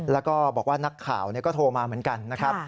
แล้วก็บอกว่านักข่าวก็โทรมาเหมือนกันนะครับ